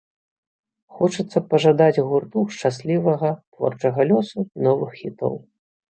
Хочацца пажадаць гурту шчаслівага творчага лёсу і новых хітоў.